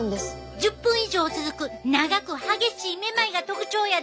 １０分以上続く長く激しいめまいが特徴やで！